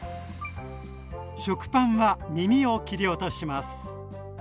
食パンはみみを切り落とします。